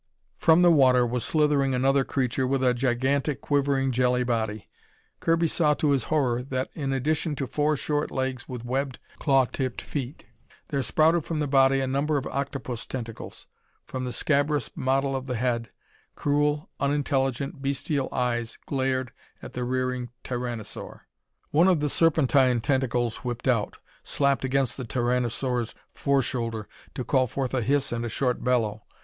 From the water was slithering another creature with a gigantic, quivering, jelly body. Kirby saw to his horror that, in addition to four short legs with webbed, claw tipped feet, there sprouted from the body a number of octopus tentacles. From the scabrous mottle of the head, cruel, unintelligent, bestial eyes glared at the rearing tyranosaur. One of the serpentine tentacles whipped out, slapped against the tyranosaur's fore shoulder to call forth a hiss and a short bellow.